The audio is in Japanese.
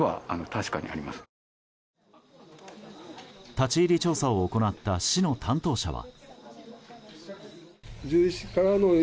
立ち入り調査を行った市の担当者は。